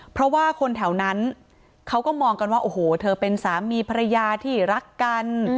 เพราะว่าคนแถวนั้นเขาก็มองกันว่าโอ้โหเธอเป็นสามีภรรยาที่รักกัน